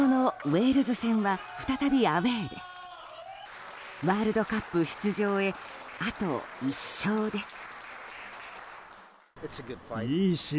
ワールドカップ出場へあと１勝です。